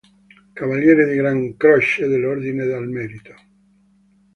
Cavaliere di gran croce dell'Ordine al merito